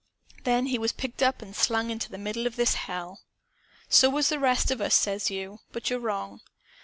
Then he was picked up and slung into the middle of this hell. "So was the rest of us, says you. But you're wrong.